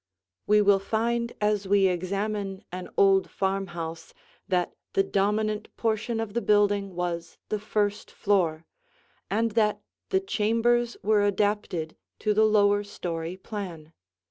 We will find as we examine an old farmhouse that the dominant portion of the building was the first floor, and that the chambers were adapted to the lower story plan.